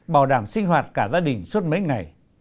bảo đảm sinh hoạt cả gia đình suốt mấy ngày